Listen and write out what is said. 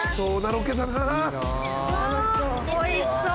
おいしそう！